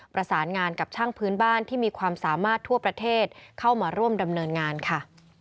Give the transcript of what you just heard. ประสานงานกับช่างพื้นบ้านที่มีความสามารถทั่วประเทศเข้ามาร่วมดำเนินงานค่ะ